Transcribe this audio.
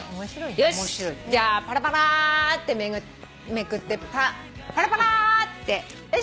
よしじゃあパラパラってめくってパラパラーってよし。